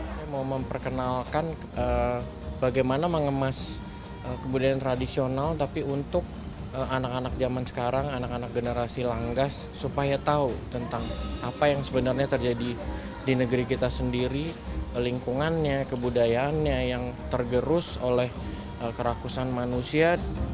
saya mau memperkenalkan bagaimana mengemas kebudayaan tradisional tapi untuk anak anak zaman sekarang anak anak generasi langgas supaya tahu tentang apa yang sebenarnya terjadi di negeri kita sendiri lingkungannya kebudayaannya yang tergerus oleh kerakusan manusia